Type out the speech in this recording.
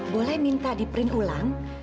boleh minta di print ulang